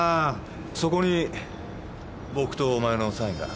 そこに僕とお前のサインが。